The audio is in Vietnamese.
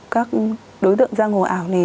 các đối tượng giang hồ ảo này